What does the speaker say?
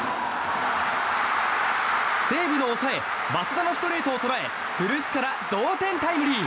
西武の抑え増田のストレートを捉え古巣から同点タイムリー。